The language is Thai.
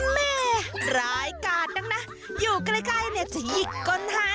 แม่ร้ายกาดดังนะอยู่ใกล้ใกล้เน็ตจะหยิกก้นให้